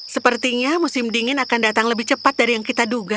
sepertinya musim dingin akan datang lebih cepat dari yang kita duga